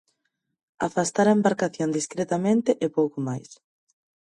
Afastar a embarcación discretamente e pouco máis.